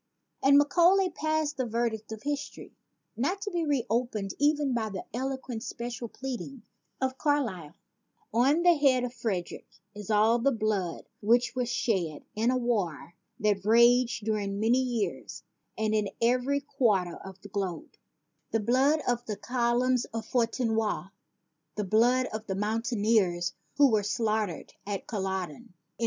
And Macaulay passed the verdict of history, not to be reopened even by the eloquent special pleading of Carlyle : "On the head of Frederick is all the blood which was shed in a war that raged during many years and in every quarter of the globe, the blood of the column of Fontenoy, the blood of the moun taineers who were slaughtered at Collodcn. ...